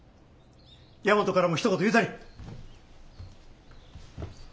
大和からもひと言言うたり。